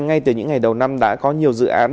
ngay từ những ngày đầu năm đã có nhiều dự án